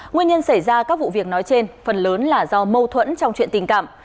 nguyên nhân xảy ra các vụ việc nói trên phần lớn là do mâu thuẫn trong chuyện tình cảm